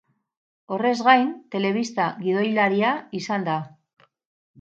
Horrez gain, telebista-gidoilaria izan da.